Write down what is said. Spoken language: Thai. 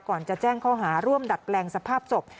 ก่อนจะแจ้งข้อหาร่วมดัดแปลงสภาพศพ